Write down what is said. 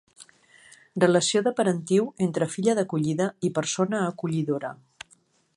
Relació de parentiu entre filla d'acollida i persona acollidora.